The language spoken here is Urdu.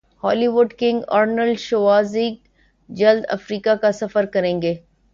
Bali would king Arnold Schwarzenegger جلد افریقہ کاسفر کریں گے